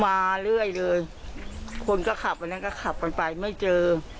มาเรื่อยเลยคนก็ขับอันนั้นก็ขับกันไปไม่เจอ